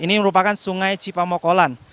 ini merupakan sungai cipamokolan